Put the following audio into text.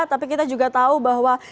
tapi kita juga tahu bahwa